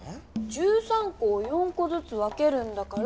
１３こを４こずつ分けるんだから。